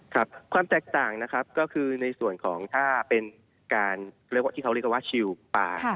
ครับความแตกต่างนะครับก็คือในส่วนของถ้าเป็นการเรียกว่าที่เขาเรียกว่าชิลปลา